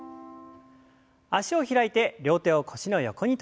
脚を開いて両手を腰の横にとりましょう。